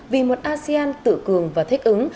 vì một asean tự cường và thích ứng